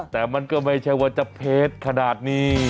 แต่มันก็ไม่ใช่ว่าจะเพชรขนาดนี้